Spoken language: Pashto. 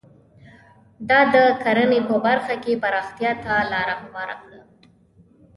دا د کرنې په برخه کې پراختیا ته لار هواره کړه.